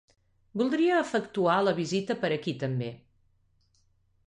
Voldria efectuar la visita per aquí també.